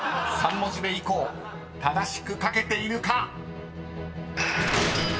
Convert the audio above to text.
［３文字目以降正しく書けているか？］